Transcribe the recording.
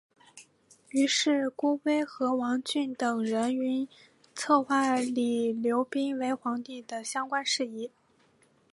于是郭威和王峻等人策划立刘赟为皇帝的相关事宜。